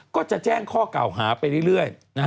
ก็จะแจ้งข้อกล่าวหาไปเรื่อย